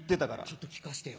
ちょっと聞かせてよ。